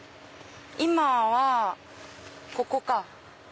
今はここか。